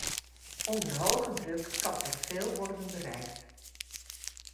Onder hoge druk kan er veel worden bereikt.